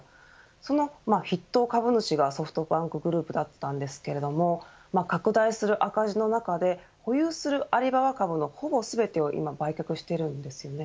その筆頭株主がソフトバンクグループだったんですけれども拡大する赤字の中で保有するアリババ株のほぼ全てを今売却しているんです。